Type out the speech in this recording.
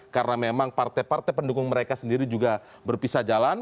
karena memang partai partai pendukung mereka sendiri juga berpisah jalan